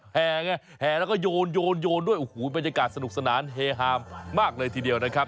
แห่ไงแห่แล้วก็โยนด้วยโอ้โหบรรยากาศสนุกสนานเฮฮามมากเลยทีเดียวนะครับ